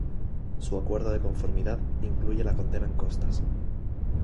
Su acuerdo de conformidad incluye la condena en costas.